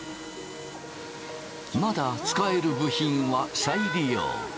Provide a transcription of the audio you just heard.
まだ使える部品は再利用。